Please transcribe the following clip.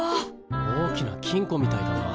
大きな金庫みたいだな。